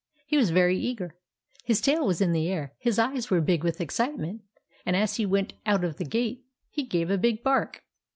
He was very eager. His tail was in the air, his eyes were big with excitement, and as he went out of the gate he gave a big bark.